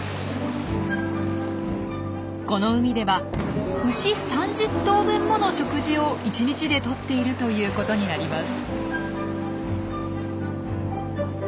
この海では牛３０頭分もの食事を１日でとっているということになります。